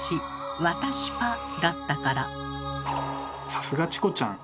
さすがチコちゃん！